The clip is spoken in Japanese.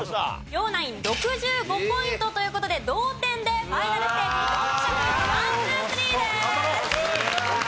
両ナイン６５ポイントという事で同点でファイナルステージドンピシャクイズ１・２・３です。